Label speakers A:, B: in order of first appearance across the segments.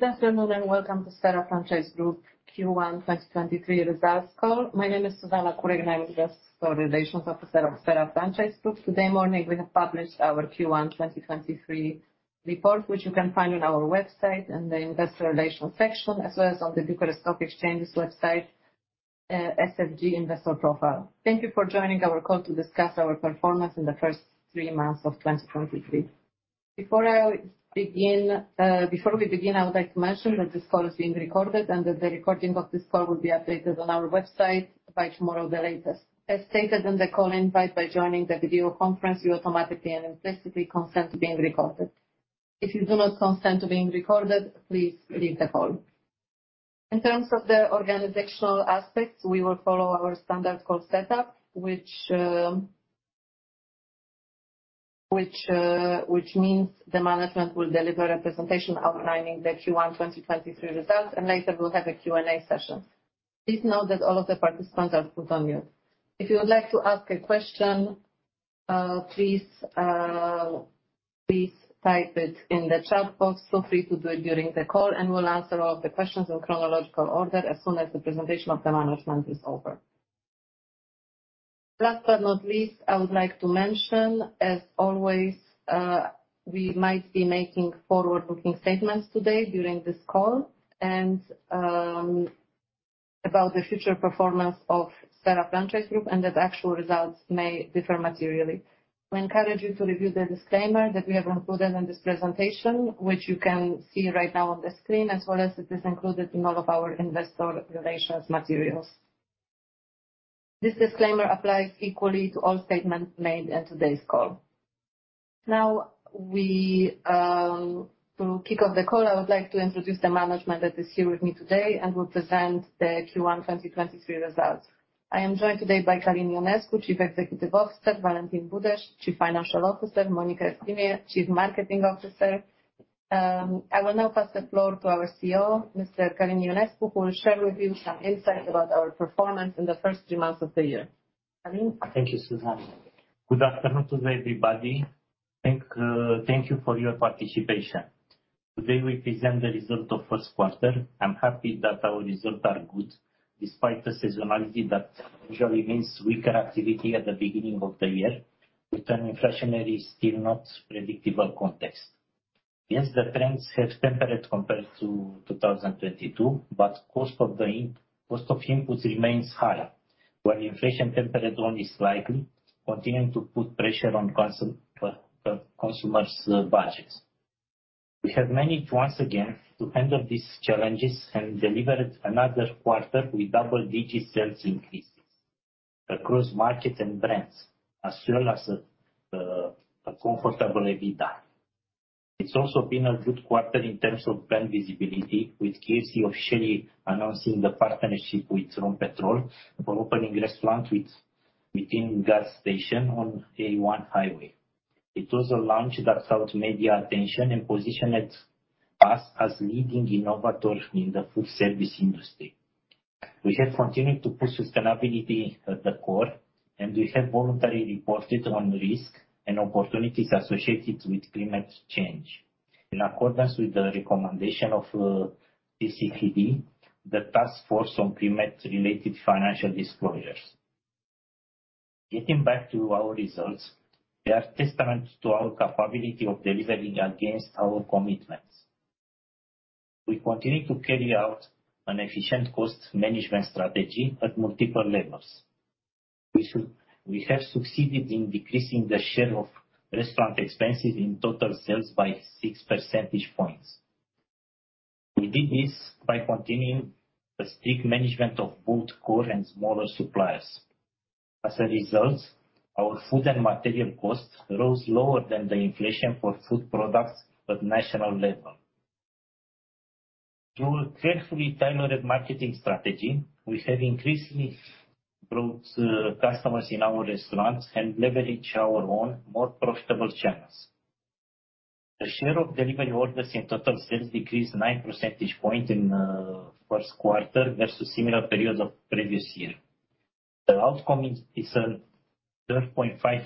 A: Good afternoon and welcome to Sphera Franchise Group Q1 2023 results call. My name is Zuzanna Kurek, and I'm Investor Relations Officer of Sphera Franchise Group. Today morning, we have published our Q1 2023 report, which you can find on our website in the investor relations section, as well as on the Bucharest Stock Exchange's website, SFG investor profile. Thank you for joining our call to discuss our performance in the first three months of 2023. Before we begin, I would like to mention that this call is being recorded and that the recording of this call will be updated on our website by tomorrow at the latest. As stated in the call invite, by joining the video conference, you automatically and implicitly consent to being recorded. If you do not consent to being recorded, please leave the call. In terms of the organizational aspects, we will follow our standard call setup, which means the management will deliver a presentation outlining the Q1 2023 results. Later we'll have a Q&A session. Please note that all of the participants are put on mute. If you would like to ask a question, please type it in the chat box. Feel free to do it during the call. We'll answer all of the questions in chronological order as soon as the presentation of the management is over. Last but not least, I would like to mention, as always, we might be making forward-looking statements today during this call and about the future performance of Sphera Franchise Group and that actual results may differ materially. We encourage you to review the disclaimer that we have included in this presentation, which you can see right now on the screen, as well as it is included in all of our investor relations materials. This disclaimer applies equally to all statements made in today's call. Now we, to kick off the call, I would like to introduce the management that is here with me today and will present the Q1 2023 results. I am joined today by Călin Ionescu, Chief Executive Officer, Valentin Budeș, Chief Financial Officer, Monica Eftimie, Chief Marketing Officer. I will now pass the floor to our CEO, Mr. Călin Ionescu, who will share with you some insights about our performance in the first three months of the year. Călin?
B: Thank you, Zuzanna. Good afternoon, everybody. Thank you for your participation. Today we present the result of first quarter. I'm happy that our results are good despite the seasonality that usually means weaker activity at the beginning of the year with an inflationary still not predictable context. Yes, the trends have tempered compared to 2022, but cost of input remains high, while inflation temperate only slightly continuing to put pressure on consumer's budgets. We have managed once again to handle these challenges and delivered another quarter with double-digit sales increase across markets and brands, as well as a comfortable EBITDA. It's also been a good quarter in terms of brand visibility, with KFC officially announcing the partnership with Rompetrol for opening restaurant within gas station on A1 highway. It was a launch that sought media attention and positioned us as leading innovator in the food service industry. We have continued to put sustainability at the core, and we have voluntarily reported on risk and opportunities associated with climate change. In accordance with the recommendation of TCFD, the Task Force on Climate-related Financial Disclosures. Getting back to our results, they are testament to our capability of delivering against our commitments. We continue to carry out an efficient cost management strategy at multiple levels. We have succeeded in decreasing the share of restaurant expenses in total sales by 6 percentage points. We did this by continuing a strict management of both core and smaller suppliers. As a result, our food and material costs rose lower than the inflation for food products at national level. Through a carefully tailored marketing strategy, we have increasingly brought customers in our restaurants and leverage our own more profitable channels. The share of delivery orders in total sales decreased 9 percentage point in first quarter versus similar periods of previous year. The outcome is a 12.5%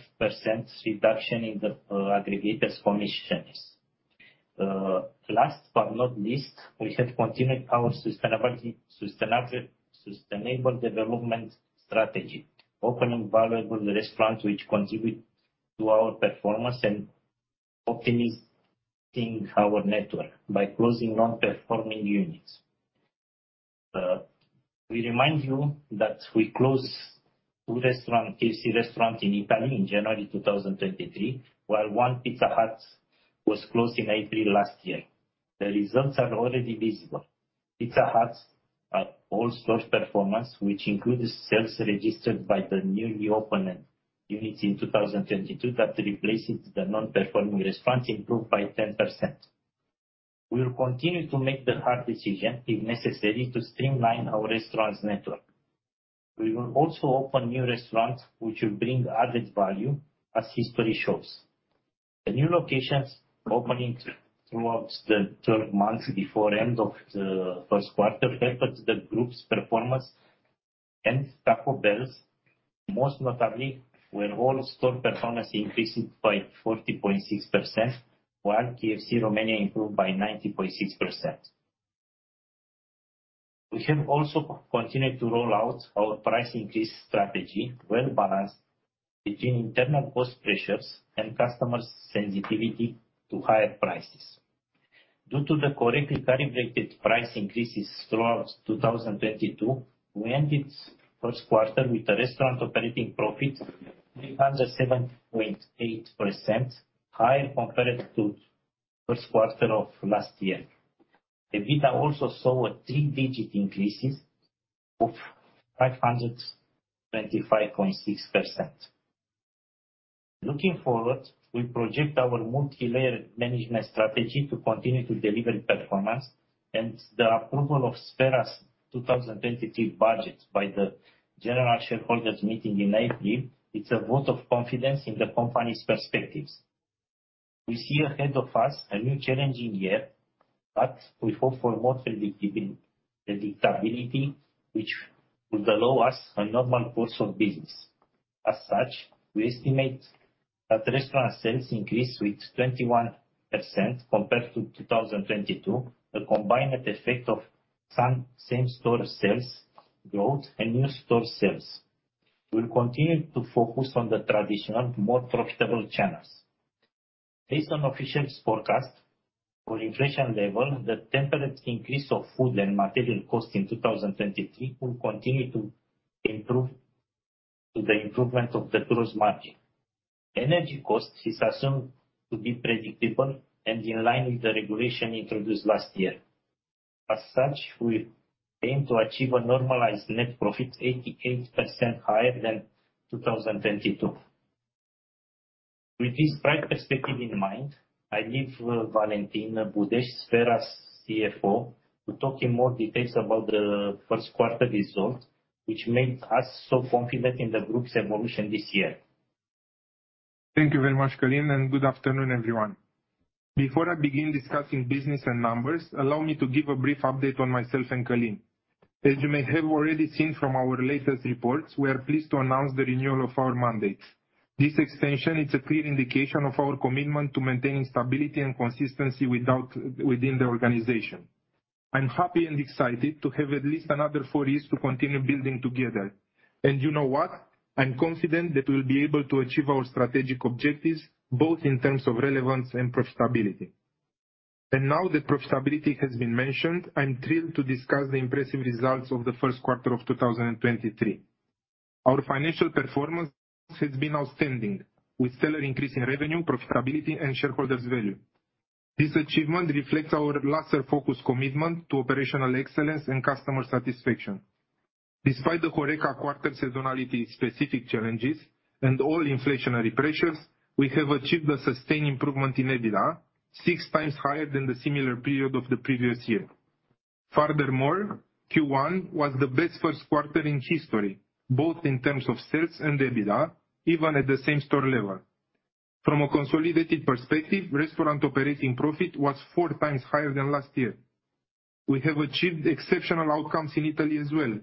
B: reduction in the aggregators' commissions. Last but not least, we have continued our sustainable development strategy, opening valuable restaurants which contribute to our performance and optimizing our network by closing non-performing units. We remind you that we closed two restaurant, KFC restaurant in Italy in January 2023, while one Pizza Hut was closed in April last year. The results are already visible. Pizza Hut at all stores performance, which includes sales registered by the newly opened units in 2022 that replaces the non-performing restaurants, improved by 10%. We will continue to make the hard decision if necessary to streamline our restaurants network. We will also open new restaurants which will bring added value, as history shows. The new locations opening throughout the 12 months before end of the first quarter helped the group's performance. Taco Bell's most notably, where all store performance increased by 40.6%, while KFC Romania improved by 90.6%. We have also continued to roll out our price increase strategy well balanced between internal cost pressures and customers' sensitivity to higher prices. Due to the correctly calibrated price increases throughout 2022, we ended first quarter with a restaurant operating profit 307.8% higher compared to first quarter of last year. EBITDA also saw a three-digit increases of 525.6%. Looking forward, we project our multi-layered management strategy to continue to deliver performance, and the approval of Sphera's 2022 budget by the general shareholders meeting in April, it's a vote of confidence in the company's perspectives. We see ahead of us a new challenging year, but we hope for more predictability, which would allow us a normal course of business. As such, we estimate that restaurant sales increase with 21% compared to 2022, a combined effect of some same-store sales growth and new store sales. We'll continue to focus on the traditional, more profitable channels. Based on officials' forecast for inflation level, the temperate increase of food and material costs in 2023 will continue to the improvement of the gross margin. Energy cost is assumed to be predictable and in line with the regulation introduced last year. As such, we aim to achieve a normalized net profit 88% higher than 2022. With this bright perspective in mind, I leave Valentin Budeș, Sphera's CFO, to talk in more details about the first quarter results, which makes us so confident in the group's evolution this year.
C: Thank you very much, Călin, and good afternoon, everyone. Before I begin discussing business and numbers, allow me to give a brief update on myself and Călin. As you may have already seen from our latest reports, we are pleased to announce the renewal of our mandate. This extension is a clear indication of our commitment to maintaining stability and consistency within the organization. I'm happy and excited to have at least another four years to continue building together. You know what? I'm confident that we'll be able to achieve our strategic objectives, both in terms of relevance and profitability. Now that profitability has been mentioned, I'm thrilled to discuss the impressive results of the first quarter of 2023. Our financial performance has been outstanding, with stellar increase in revenue, profitability, and shareholders' value. This achievement reflects our laser-focused commitment to operational excellence and customer satisfaction. Despite the HoReCa quarter seasonality's specific challenges and all inflationary pressures, we have achieved a sustained improvement in EBITDA, 6x higher than the similar period of the previous year. Furthermore, Q1 was the best 1st quarter in history, both in terms of sales and EBITDA, even at the same store level. From a consolidated perspective, restaurant operating profit was 4x higher than last year. We have achieved exceptional outcomes in Italy as well,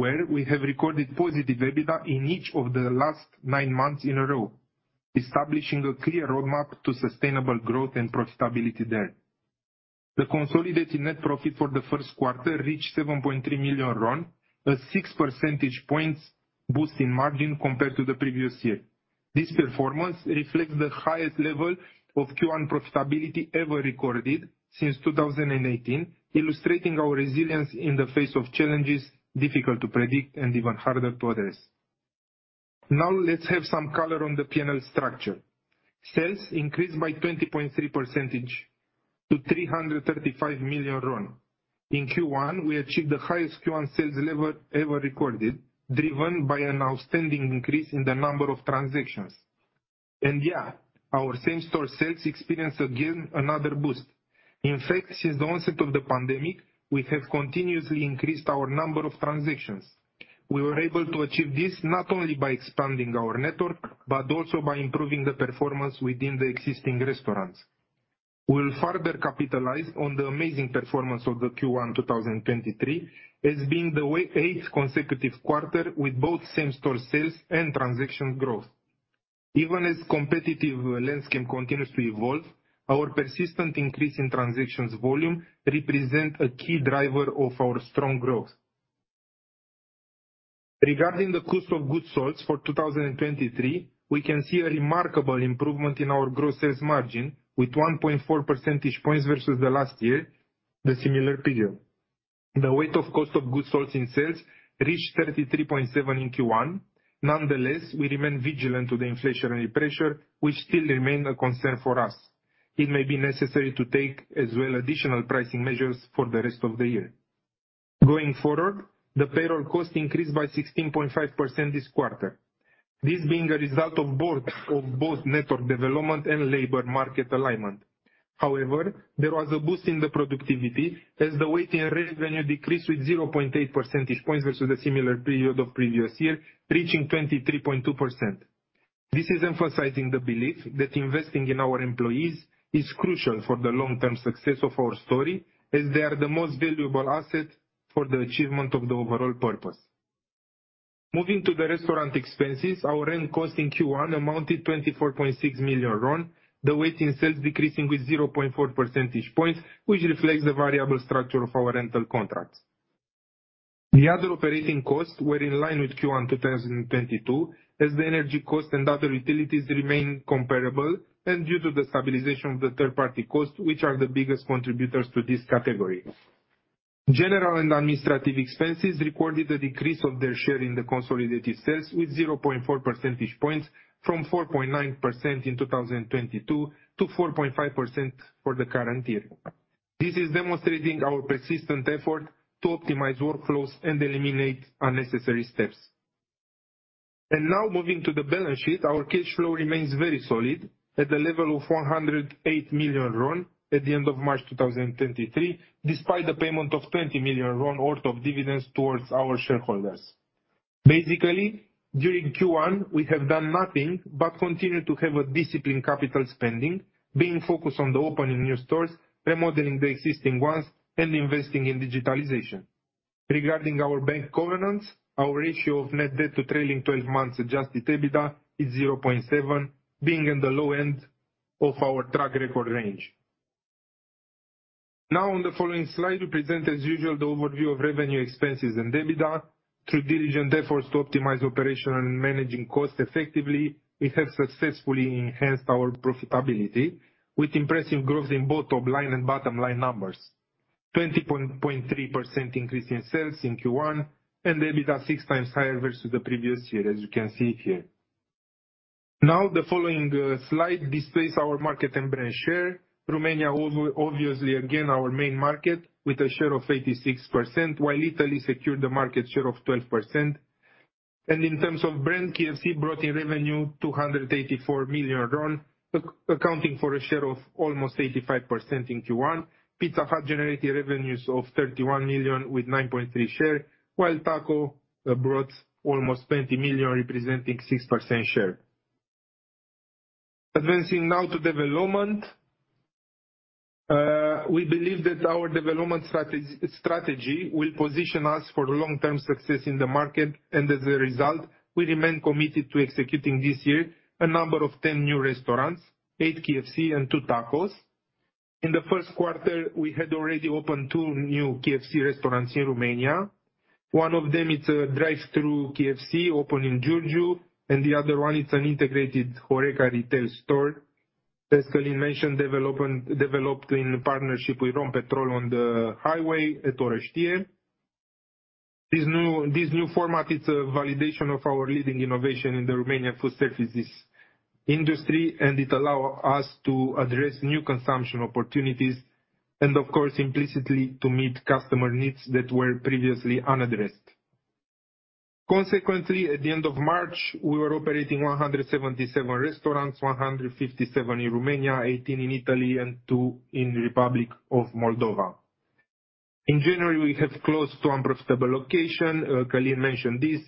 C: where we have recorded positive EBITDA in each of the last nine months in a row, establishing a clear roadmap to sustainable growth and profitability there. The consolidated net profit for the first quarter reached RON 7.3 million, a 6 percentage points boost in margin compared to the previous year. This performance reflects the highest level of Q1 profitability ever recorded since 2018, illustrating our resilience in the face of challenges difficult to predict and even harder to address. Let's have some color on the P&L structure. Sales increased by 20.3% to RON 335 million. In Q1, we achieved the highest Q1 sales level ever recorded, driven by an outstanding increase in the number of transactions. Yeah, our same-store sales experienced again another boost. In fact, since the onset of the pandemic, we have continuously increased our number of transactions. We were able to achieve this not only by expanding our network, but also by improving the performance within the existing restaurants. We'll further capitalize on the amazing performance of the Q1 2023 as being the eighth consecutive quarter with both same-store sales and transaction growth. Even as competitive landscape continues to evolve, our persistent increase in transactions volume represent a key driver of our strong growth. Regarding the cost of goods sold for 2023, we can see a remarkable improvement in our gross sales margin with 1.4 percentage points versus the last year, the similar period. The weight of cost of goods sold in sales reached 33.7% in Q1. Nonetheless, we remain vigilant to the inflationary pressure, which still remain a concern for us. It may be necessary to take as well additional pricing measures for the rest of the year. Going forward, the payroll cost increased by 16.5% this quarter. This being a result of both network development and labor market alignment. There was a boost in the productivity as the waiting revenue decreased with 0.8 percentage points versus the similar period of previous year, reaching 23.2%. This is emphasizing the belief that investing in our employees is crucial for the long-term success of our story, as they are the most valuable asset for the achievement of the overall purpose. Moving to the restaurant expenses, our rent cost in Q1 amounted RON 24.6 million. The weight in sales decreasing with 0.4 percentage points, which reflects the variable structure of our rental contracts. The other operating costs were in line with Q1 2022, as the energy costs and other utilities remain comparable and due to the stabilization of the third-party costs, which are the biggest contributors to this category. General and administrative expenses recorded a decrease of their share in the consolidated sales with 0.4 percentage points from 4.9% in 2022 to 4.5% for the current year. This is demonstrating our persistent effort to optimize workflows and eliminate unnecessary steps. Moving to the balance sheet, our cash flow remains very solid at the level of RON 108 million at the end of March 2023, despite the payment of RON 20 million worth of dividends towards our shareholders. Basically, during Q1, we have done nothing but continue to have a disciplined capital spending, being focused on the opening new stores, remodeling the existing ones, and investing in digitalization. Regarding our bank covenants, our ratio of net debt to trailing 12 months Adjusted EBITDA is 0.7, being in the low end of our track record range. On the following slide, we present as usual the overview of revenue, expenses and EBITDA. Through diligent efforts to optimize operational and managing costs effectively, we have successfully enhanced our profitability with impressive growth in both top line and bottom line numbers. 20.3% increase in sales in Q1 and EBITDA 6x higher versus the previous year, as you can see here. The following slide displays our market and brand share. Romania obviously again our main market with a share of 86%, while Italy secured a market share of 12%. In terms of brand, KFC brought in revenue RON 284 million, accounting for a share of almost 85% in Q1. Pizza Hut generated revenues of RON 31 million with 9.3% share, while Taco brought almost RON 20 million, representing 6% share. Advancing now to development. We believe that our development strategy will position us for long-term success in the market, as a result, we remain committed to executing this year a number of 10 new restaurants, eight KFC and two Tacos. In the first quarter, we had already opened two new KFC restaurants in Romania. One of them is a drive-thru KFC open in Giurgiu, and the other one is an integrated HoReCa retail store. As Călin mentioned, development developed in partnership with Rompetrol on the highway at Orăștie. This new, this new format is a validation of our leading innovation in the Romanian food services industry, and it allow us to address new consumption opportunities and of course, implicitly, to meet customer needs that were previously unaddressed. Consequently, at the end of March, we were operating 177 restaurants, 157 in Romania, 18 in Italy and two in Republic of Moldova. In January, we have closed two unprofitable location. Călin mentioned this.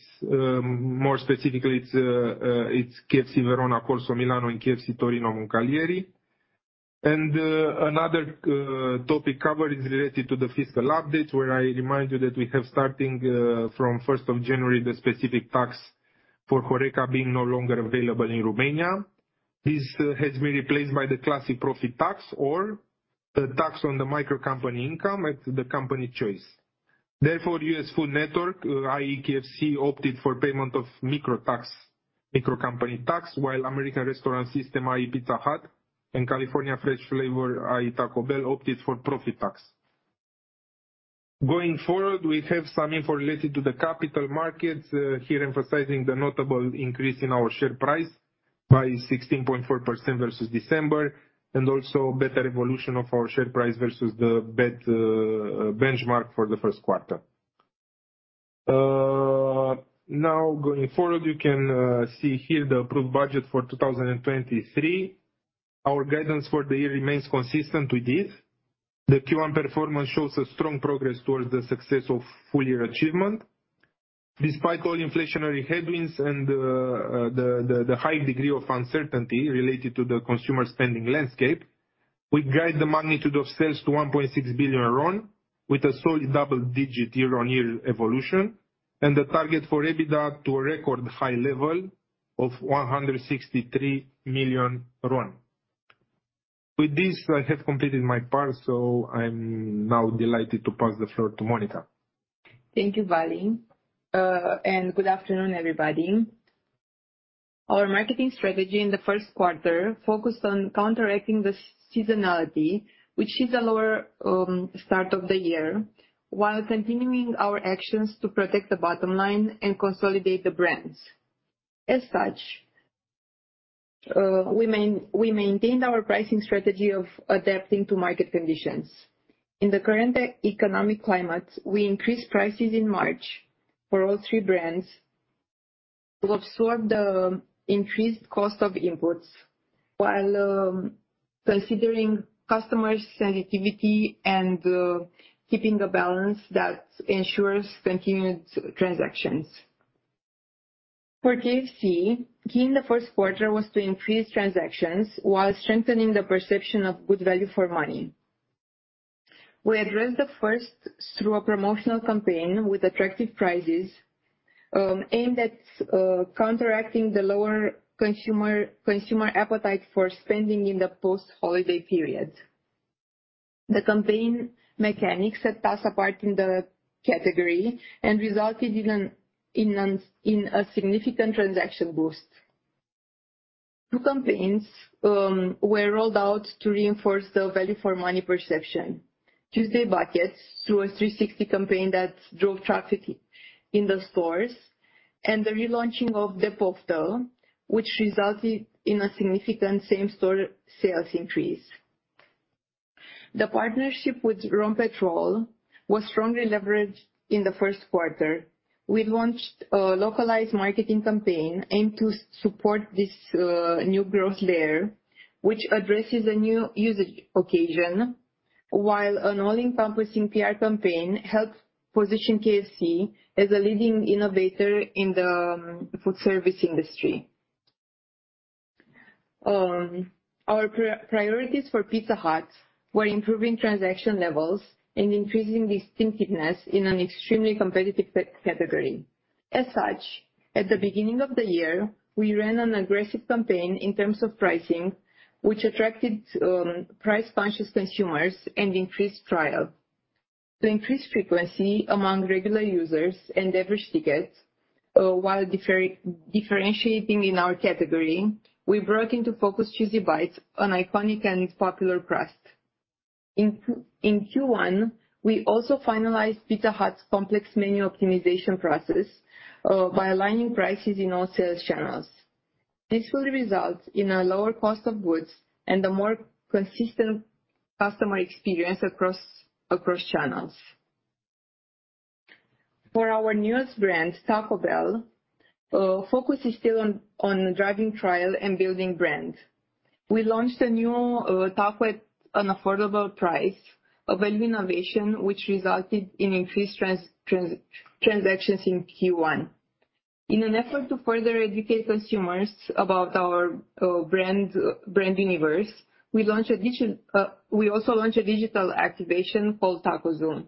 C: more specifically, it's KFC Verona Corso Milano and KFC Torino Moncalieri. Another topic covered is related to the fiscal updates, where I remind you that we have starting from first of January, the specific tax for HoReCa being no longer available in Romania. This has been replaced by the classic profit tax or the tax on the micro company income at the company choice. Therefore, US Food Network, i.e. KFC, opted for payment of micro tax, micro company tax, while American Restaurant System, i.e. Pizza Hut, and California Fresh Flavor, i.e. Taco Bell, opted for profit tax. Going forward, we have some info related to the capital markets, here emphasizing the notable increase in our share price by 16.4% versus December, and also better evolution of our share price versus the BET benchmark for the first quarter. Now, going forward, you can see here the approved budget for 2023. Our guidance for the year remains consistent with this. The Q1 performance shows a strong progress towards the success of full year achievement. Despite all inflationary headwinds and the high degree of uncertainty related to the consumer spending landscape, we guide the magnitude of sales to RON 1.6 billion with a solid double-digit year-on-year evolution and the target for EBITDA to a record high level of RON 163 million. With this, I have completed my part, I'm now delighted to pass the floor to Monica.
D: Thank you, Vali. Good afternoon, everybody. Our marketing strategy in the first quarter focused on counteracting the seasonality, which is a lower start of the year, while continuing our actions to protect the bottom line and consolidate the brands. As such, we maintained our pricing strategy of adapting to market conditions. In the current economic climate, we increased prices in March for all three brands to absorb the increased cost of inputs, while considering customer sensitivity and keeping a balance that ensures continued transactions. For KFC, key in the first quarter was to increase transactions while strengthening the perception of good value for money. We addressed the first through a promotional campaign with attractive prizes aimed at counteracting the lower consumer appetite for spending in the post-holiday period. The campaign mechanics set us apart in the category and resulted in a significant transaction boost. Two campaigns were rolled out to reinforce the value for money perception. Marți Bucket through a 360 campaign that drove traffic in the stores, and the relaunching of the Booster, which resulted in a significant same-store sales increase. The partnership with Rompetrol was strongly leveraged in the first quarter. We launched a localized marketing campaign aimed to support this new growth layer, which addresses a new usage occasion, while an all-encompassing PR campaign helps position KFC as a leading innovator in the food service industry. Our priorities for Pizza Hut were improving transaction levels and increasing distinctiveness in an extremely competitive category. As such, at the beginning of the year, we ran an aggressive campaign in terms of pricing, which attracted price-conscious consumers and increased trial. To increase frequency among regular users and average tickets, while differentiating in our category, we brought into focus Cheesy Bites, an iconic and popular crust. In Q1, we also finalized Pizza Hut's complex menu optimization process by aligning prices in all sales channels. This will result in a lower cost of goods and a more consistent customer experience across channels. For our newest brand, Taco Bell, focus is still on driving trial and building brand. We launched a new taco at an affordable price, a value innovation which resulted in increased transactions in Q1. In an effort to further educate consumers about our brand universe, we also launched a digital activation called Taco Zoom.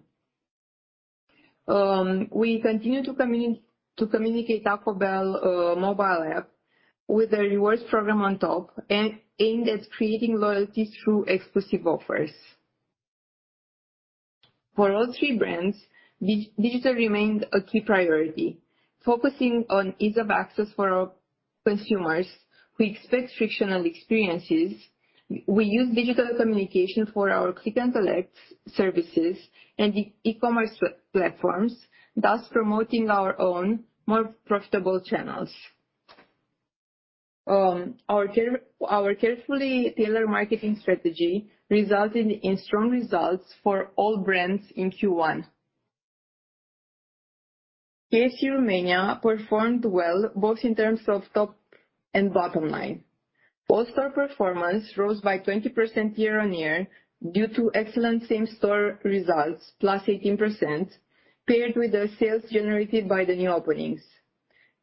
D: We continue to communicate Taco Bell mobile app with a rewards program on top, aimed at creating loyalty through exclusive offers. For all three brands, digital remained a key priority, focusing on ease of access for our consumers who expect frictional experiences. We use digital communication for our click and collect services and e-commerce platforms, thus promoting our own more profitable channels. Our carefully tailored marketing strategy resulted in strong results for all brands in Q1. KFC Romania performed well both in terms of top and bottom line. All store performance rose by 20% year-over-year due to excellent same store results, +18%, paired with the sales generated by the new openings.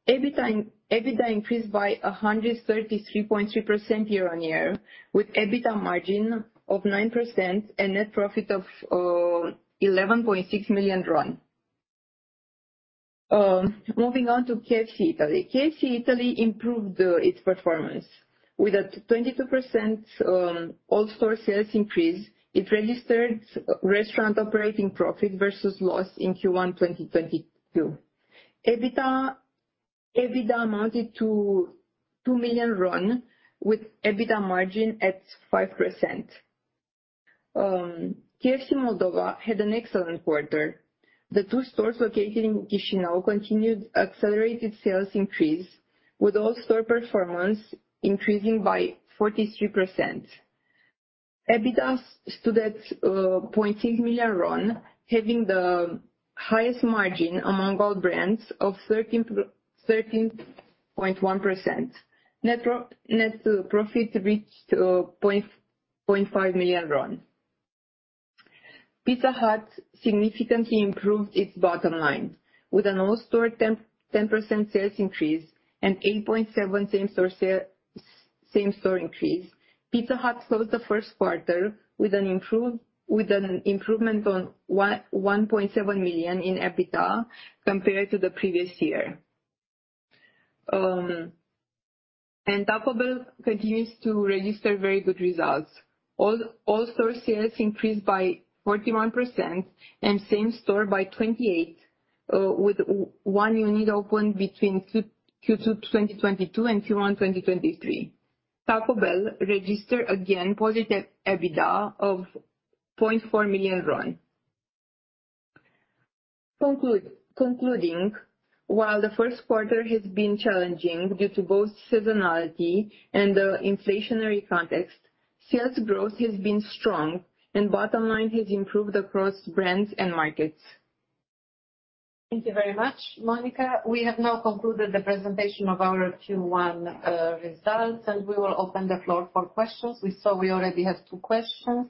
D: EBIT and EBITDA increased by 133.3% year-over-year, with EBITDA margin of 9% and net profit of RON 11.6 million. Moving on to KFC Italy. KFC Italy improved its performance. With a 22% all store sales increase, it registered restaurant operating profit versus loss in Q1, 2022. EBITDA amounted to RON 2 million with EBITDA margin at 5%. KFC Moldova had an excellent quarter. The two stores located in Chisinau continued accelerated sales increase, with all store performance increasing by 43%. EBITDA stood at RON 0.6 million, having the highest margin among all brands of 13.1%. Net profits reached RON 0.5 million. Pizza Hut significantly improved its bottom line. With an all store 10% sales increase and 8.7 same store increase, Pizza Hut closed the first quarter with an improvement on RON 1.7 million in EBITDA compared to the previous year. Taco Bell continues to register very good results. All store sales increased by 41% and same store by 28%, with one unit opened between Q2 2022 and Q1 2023. Taco Bell registered again positive EBITDA of RON 0.4 million. Concluding, while the first quarter has been challenging due to both seasonality and the inflationary context, sales growth has been strong and bottom line has improved across brands and markets.
A: Thank you very much, Monica. We have now concluded the presentation of our Q1 results, and we will open the floor for questions. We saw we already have two questions.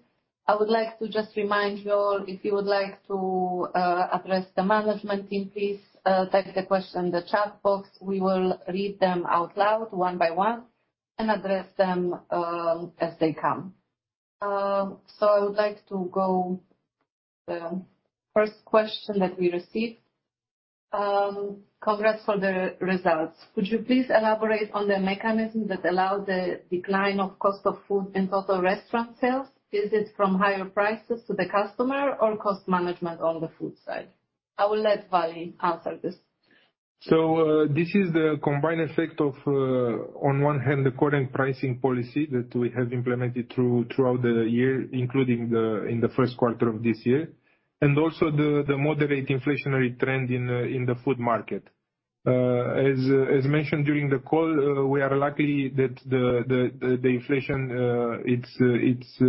A: I would like to just remind you all, if you would like to address the management team, please type the question in the chat box. We will read them out loud one by one, and address them as they come. I would like to go the first question that we received. Congrats for the results. Could you please elaborate on the mechanism that allowed the decline of cost of food and total restaurant sales? Is it from higher prices to the customer or cost management on the food side? I will let Vali answer this.
C: This is the combined effect of on one hand, the current pricing policy that we have implemented throughout the year, including in the first quarter of this year, and also the moderate inflationary trend in the food market. As mentioned during the call, we are lucky that the inflation it's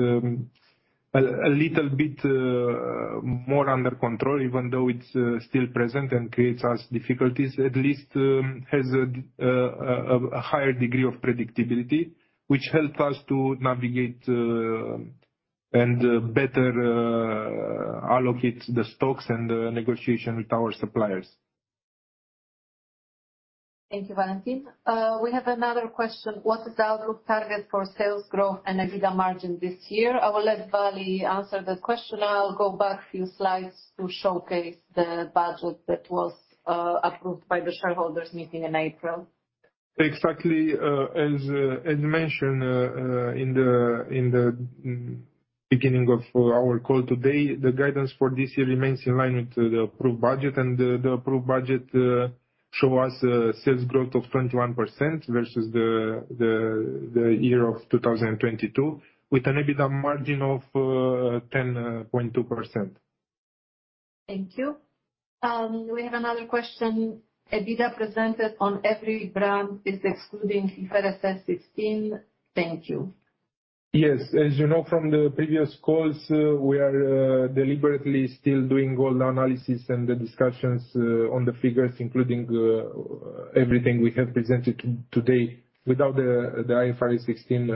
C: a little bit more under control, even though it's still present and creates us difficulties. At least, has a higher degree of predictability, which helps us to navigate and better allocate the stocks and the negotiation with our suppliers.
A: Thank you, Valentin. We have another question: What is the outlook target for sales growth and EBITDA margin this year? I will let Vali answer the question. I'll go back a few slides to showcase the budget that was approved by the shareholders meeting in April.
C: Exactly. As mentioned in the beginning of our call today, the guidance for this year remains in line with the approved budget, and the approved budget show us a sales growth of 21% versus the year of 2022, with an EBITDA margin of 10.2%.
A: Thank you. We have another question. EBITDA presented on every brand is excluding IFRS 16. Thank you.
C: Yes. As you know from the previous calls, we are deliberately still doing all the analysis and the discussions on the figures, including everything we have presented today without the IFRS 16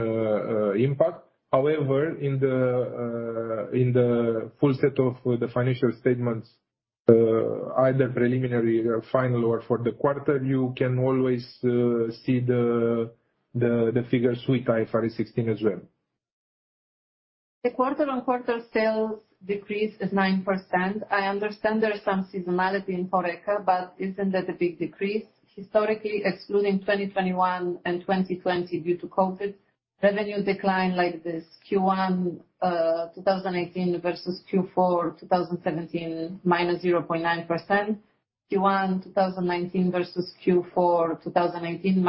C: impact. However, in the full set of the financial statements, either preliminary or final or for the quarter, you can always see the figures with IFRS 16 as well.
A: The quarter on quarter sales decrease is 9%. I understand there is some seasonality in HoReCa. Isn't that a big decrease? Historically, excluding 2021 and 2020 due to COVID, revenue decline like this: Q one, 2018 versus Q four, 2017, -0.9%. Q one, 2019 versus Q four, 2018,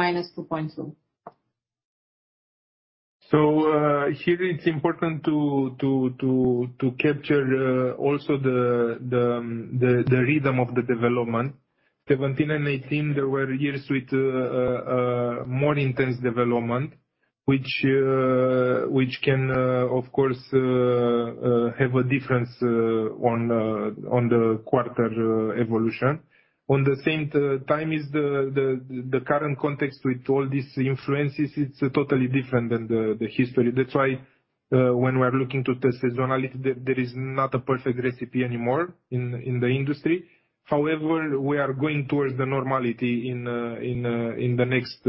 A: -2.2%.
C: Here it's important to capture also the rhythm of the development. 17 and 18, there were years with more intense development, which can of course have a difference on the quarter evolution. At the same time is the current context with all these influences, it's totally different than the history. That's why, when we're looking to the seasonality, there is not a perfect recipe anymore in the industry. However, we are going towards the normality in the next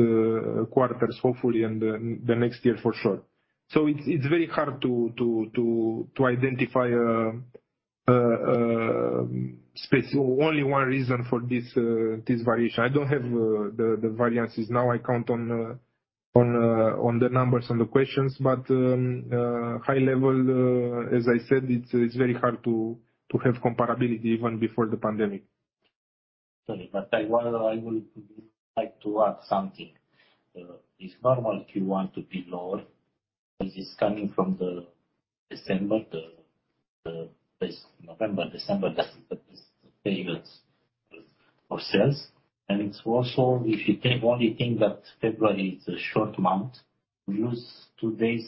C: quarters, hopefully, and the next year for sure. It's very hard to identify only one reason for this variation. I don't have the variances now.I count on the numbers on the questions. High level, as I said, it's very hard to have comparability even before the pandemic.
B: Sorry, I would like to add something. It's normal if you want to be lower, this is coming from the December, the November, December, that's the best periods of sales. It's also, if you take only thing that February is a short month, we use two days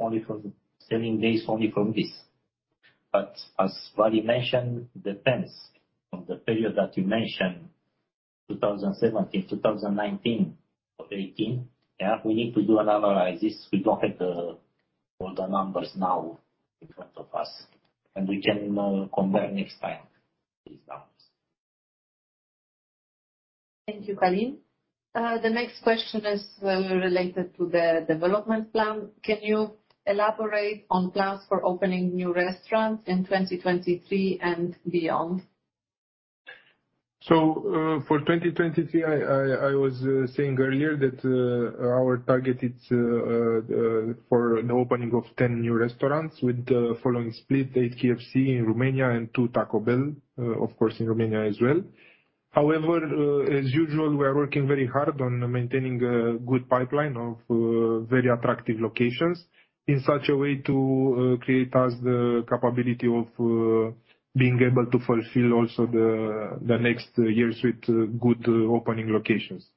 B: only for the selling days only from this. As Vali mentioned, depends on the period that you mentioned, 2017, 2019 or 2018, yeah, we need to do an analysis. We don't have all the numbers now in front of us, and we can compare next time these numbers.
A: Thank you, Călin. The next question is related to the development plan. Can you elaborate on plans for opening new restaurants in 2023 and beyond?
C: For 2023, I was saying earlier that our target is for the opening of 10 new restaurants with the following split: eight KFC in Romania and two Taco Bell, of course, in Romania as well. However, as usual, we are working very hard on maintaining a good pipeline of very attractive locations in such a way to create us the capability of being able to fulfill also the next years with good opening locations.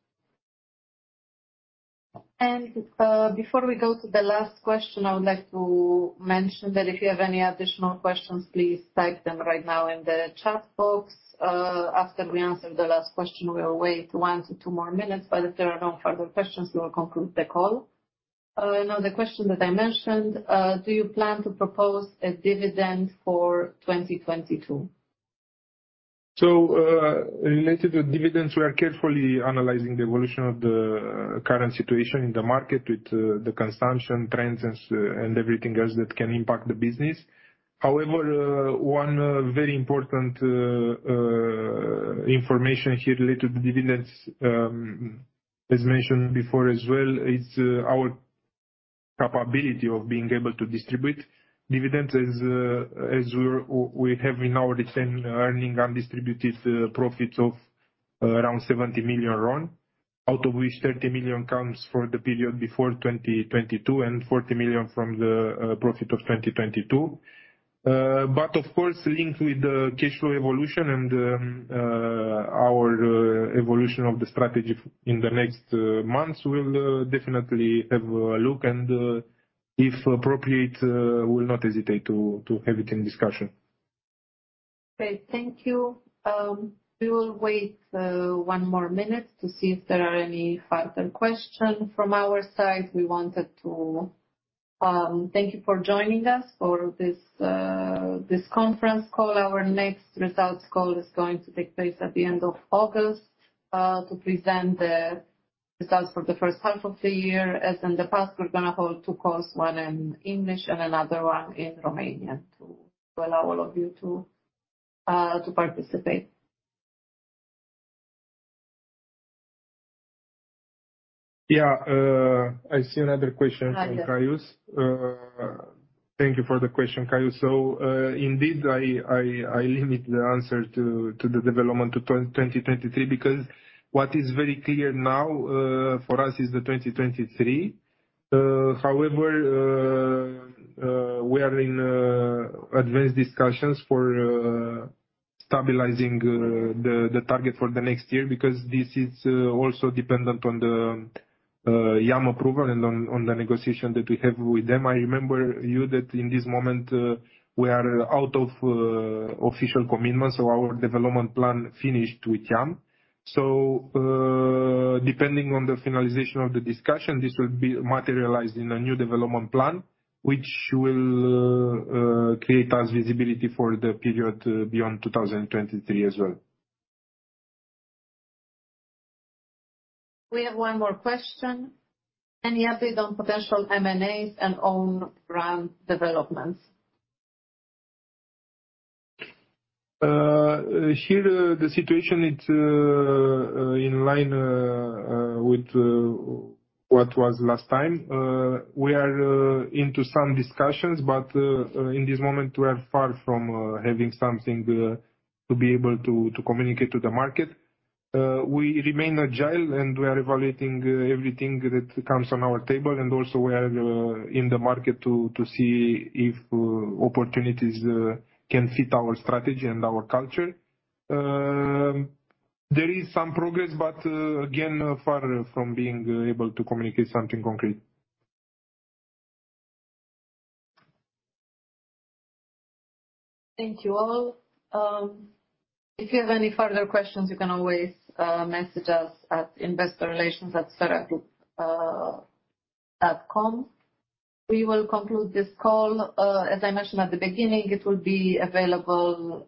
A: Before we go to the last question, I would like to mention that if you have any additional questions, please type them right now in the chat box. After we answer the last question, we'll wait one to two more minutes. If there are no further questions, we will conclude the call. Now the question that I mentioned, do you plan to propose a dividend for 2022?
C: Related to dividends, we are carefully analyzing the evolution of the current situation in the market with the consumption trends and everything else that can impact the business. However, one very important information here related to dividends, as mentioned before as well, is our capability of being able to distribute dividends as we have in our retained earnings undistributed profits of around RON 70 million. Out of which RON 30 million comes for the period before 2022, and RON 40 million from the profit of 2022. Of course, linked with the cash flow evolution and our evolution of the strategy in the next months, we'll definitely have a look, and if appropriate, we'll not hesitate to have it in discussion.
A: Okay, thank you. We will wait one more minute to see if there are any further question. From our side, we wanted to thank you for joining us for this conference call. Our next results call is going to take place at the end of August to present the results for the 1st half of the year. As in the past, we're gonna hold two calls, one in English and another one in Romanian to allow all of you to participate.
C: Yeah. I see another question from Caius. Thank you for the question, Caius. Indeed, I limit the answer to the development to 2023, because what is very clear now for us, is the 2023. However, we are in advanced discussions for stabilizing the target for the next year because this is also dependent on the Yum! approval and on the negotiation that we have with them. I remind you that in this moment, we are out of official commitment, our development plan finished with Yum!. Depending on the finalization of the discussion, this will be materialized in a new development plan, which will create us visibility for the period beyond 2023 as well.
A: We have one more question. Any update on potential M&A and own brand developments?
C: Here, the situation it's in line with what was last time. We are into some discussions, but in this moment, we are far from having something to be able to communicate to the market. We remain agile, and we are evaluating everything that comes on our table, and also we are in the market to see if opportunities can fit our strategy and our culture. There is some progress, but again, far from being able to communicate something concrete.
A: Thank you all. If you have any further questions, you can always message us at investorrelations@spheragroup.com. We will conclude this call. As I mentioned at the beginning, it will be available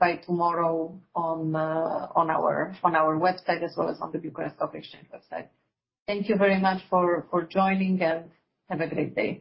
A: by tomorrow on our website, as well as on the Bucharest Stock Exchange website. Thank you very much for joining, have a great day.